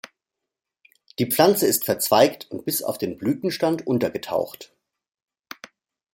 Die Pflanze ist verzweigt und bis auf den Blütenstand untergetaucht.